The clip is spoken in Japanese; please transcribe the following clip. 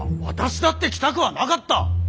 私だって来たくはなかった！